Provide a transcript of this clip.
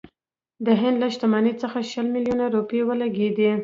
د هند له شتمنۍ څخه شل میلیونه روپۍ ولګېدې.